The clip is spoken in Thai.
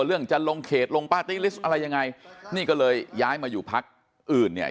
จะลงเขตลงปาร์ตี้ลิสต์อะไรยังไงนี่ก็เลยย้ายมาอยู่พักอื่นเนี่ย